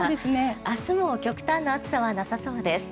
明日も極端な暑さはなさそうです。